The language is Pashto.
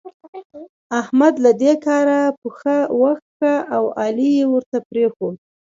احمد له دې کاره پښه وکښه او علي يې ورته پرېښود.